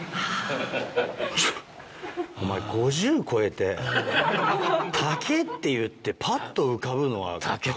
お前５０歳越えて竹って言ってぱっと浮かぶのは？